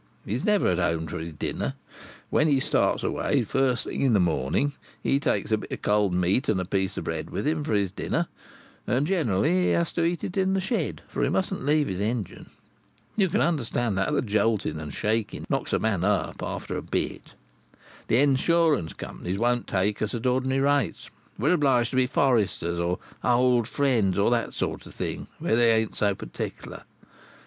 He's never at home to his dinner. When he starts away the first thing in the morning, he takes a bit of cold meat and a piece of bread with him for his dinner; and generally he has to eat it in the shed, for he mustn't leave his engine. You can understand how the jolting and shaking knocks a man up, after a bit. The insurance companies won't take us at ordinary rates. We're obliged to be Foresters, or Old Friends, or that sort of thing, where they ain't so particular.